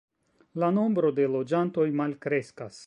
La nombro de loĝantoj malkreskas.